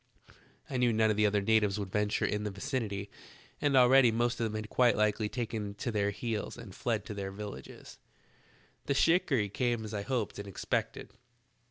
I knew none of the other natives would venture in the vicinity, and already the most of them had quite likely taken to their heels and fled to their villages. "The shikarry came as I hoped and expected.